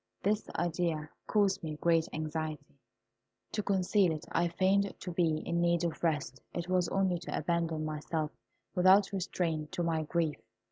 This idea caused me great anxiety. To conceal it, I feigned to be in need of rest, it was only to abandon myself without restraint to my grief.